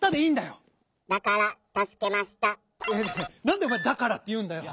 なんでおまえ「だから」っていうんだよ。